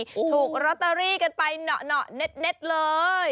ถูกลอตเตอรี่กันไปเหนาะเน็ตเลย